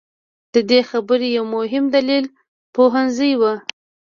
د دې خبرې یو مهم دلیل پوهنځي وو.